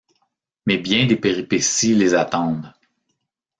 Mais bien des péripéties les attendent.